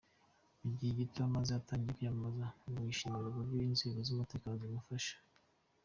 Mu gihe gito amaze atangiye kwiyamamaza ngo yishimira uburyo inzego z’umutekano zimufasha.